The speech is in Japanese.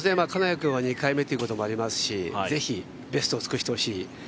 金谷君は２回目ということもありますし是非、ベストを尽くしてほしい。